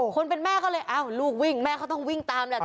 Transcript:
คนเป็นแม่ก็เลยอ้าวลูกวิ่งแม่เขาต้องวิ่งตามแหละ